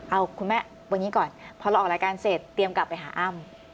เอาคุณแม่วันนี้ก่อนพอเราออกรายการเสร็จเตรียมกลับไปหาอ้ำ